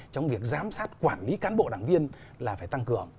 trong việc giám sát quản lý cán bộ đảng viên là phải tăng cường